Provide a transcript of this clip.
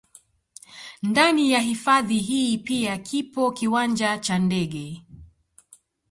Ndani ya hifadhi hii pia kipo kiwanja cha ndege